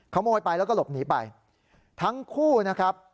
ขโมยไปแล้วก็หลบหนีไปทั้งคู่นะครับ